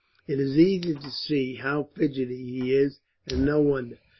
It is easy to see how fidgety he is, and no wonder.